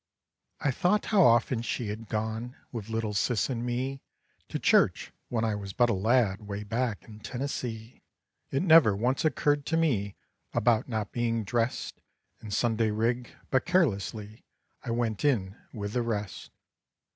I thought how often she had gone With little Sis and me To church, when I was but a lad Way back in Tennessee. It never once occurred to me About not being dressed In Sunday rig, but carelessly I went in with the rest.